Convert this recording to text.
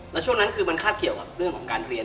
แล้วช่วงนั้นคือมันคาบเกี่ยวกับเรื่องของการเรียน